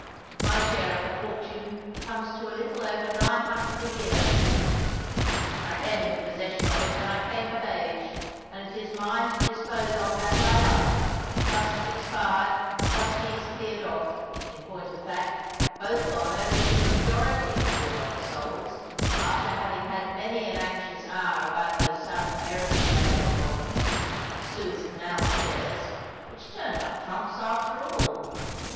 My share of her fortune comes to a little over nine hundred a year. I came into possession of it when I came of age, and it is mine to dispose of as I like, trusts expired, trustees cleared off— in point of fact, both gone over to the majority, poor old souls, after having had many an anxious hour about those South American railway bonds, and Suez Canal shares, which turned up trumps after all.